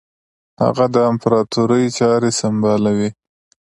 هغه د امپراطوري چاري سمبالوي.